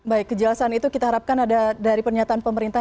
baik kejelasan itu kita harapkan ada dari pernyataan pemerintah